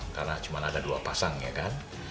karena cuma ada dua pasang ya kan